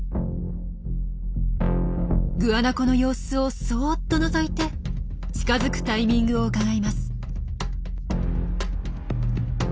グアナコの様子をそっとのぞいて近づくタイミングをうかがいます。